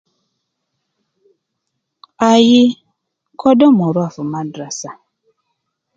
Ayi, kodo omon rua fi madrasa